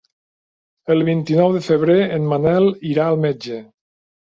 El vint-i-nou de febrer en Manel irà al metge.